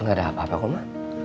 enggak ada apa apa kok ma